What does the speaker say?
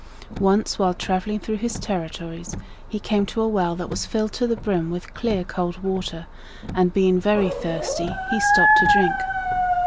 Once, while traveling through his territories, he came to a well that was filled to the brim with clear cold water; and being very thirsty, he stopped to drink.